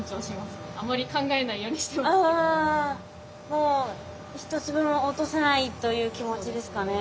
もう一粒も落とさないという気持ちですかね。